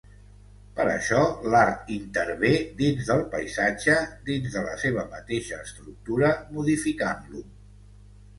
Per això, l'art intervé dins del paisatge, dins de la seva mateixa estructura, modificant-lo.